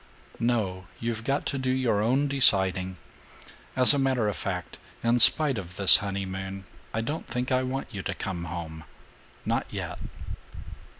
"No. You've got to do your own deciding. As a matter of fact, in spite of this honeymoon, I don't think I want you to come home. Not yet."